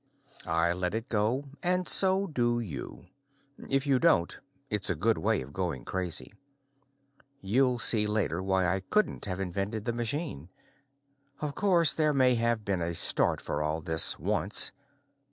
I let it go, and so do you. If you don't, it's a good way of going crazy. You'll see later why I couldn't have invented the machine. Of course, there may have been a start for all this once.